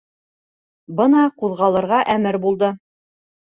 Бына ҡуҙғалырға әмер булды.